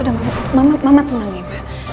udah mama mama tenangin